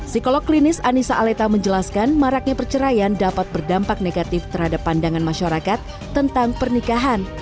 psikolog klinis anissa aleta menjelaskan maraknya perceraian dapat berdampak negatif terhadap pandangan masyarakat tentang pernikahan